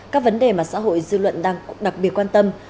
các vấn đề mà xã hội dư luận đang đặc biệt quan tâm